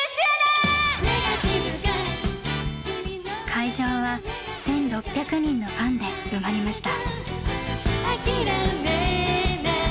会場は１６００人のファンで埋まりました。